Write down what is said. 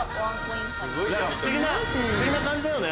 不思議な感じだよね。